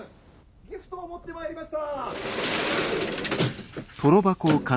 ギフトを持ってまいりました。